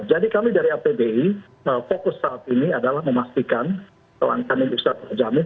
jadi kami dari apdi fokus saat ini adalah memastikan kelanjangan industri terjamin